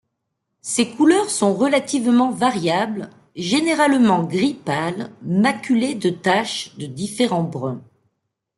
Ses couleurs sont relativement variables, généralement gris pâle maculé de taches de différents bruns.